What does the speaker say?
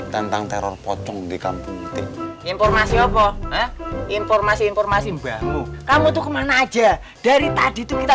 tentang teror pocong di kampung informasi informasi mbakmu kamu tuh kemana aja dari tadi tuh kita